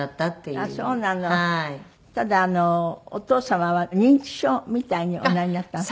ただお父様は認知症みたいにおなりになったの？